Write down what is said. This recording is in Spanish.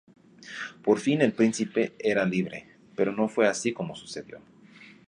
Por fin el Príncipe era libre... pero no fue así como sucedió.